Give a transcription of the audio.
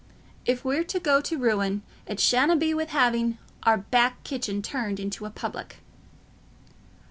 If we're to go to ruin, it shanna be wi' having our back kitchen turned into a public."